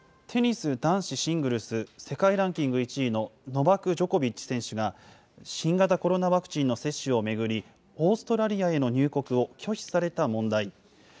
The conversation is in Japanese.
テニス男子シングルス世界ランキング１位のノバク・ジョコビッチ選手が、新型コロナワクチンの接種を巡り、オーストラリアへの入国を拒否された問題。